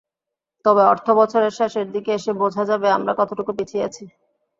তবে অর্থবছরের শেষের দিকে এসে বোঝা যাবে আমরা কতটুকু পিছিয়ে আছি।